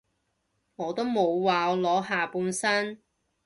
我都冇話我裸下半身